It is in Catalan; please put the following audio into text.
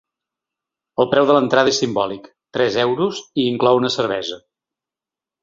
El preu de l’entrada és simbòlic: tres euros, i inclou una cervesa.